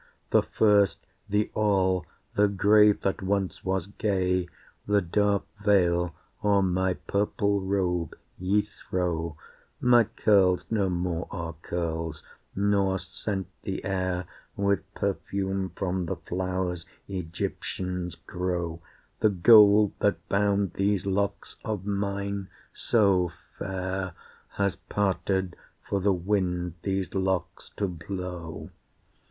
The first, the all, the grave that once was gay, The dark veil o'er my purple robe ye throw, My curls no more are curls, nor scent the air With perfume from the flowers Egyptians grow, The gold that bound these locks of mine so fair Has parted for the wind these locks to blow.